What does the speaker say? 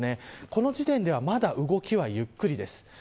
この時点ではまだ動きはゆっくりです。